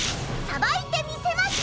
さばいてみせます。